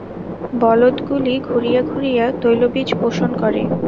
বলদগুলি ঘুরিয়া ঘুরিয়া তৈলবীজ পেষণ করে।